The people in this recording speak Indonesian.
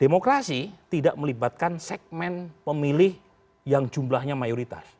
demokrasi tidak melibatkan segmen pemilih yang jumlahnya mayoritas